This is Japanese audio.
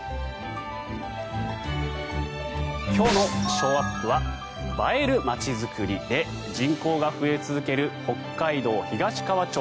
今日のショーアップは映える町づくりで人口が増え続ける北海道東川町